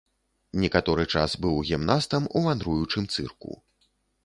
Некаторы час быў гімнастам ў вандруючым цырку.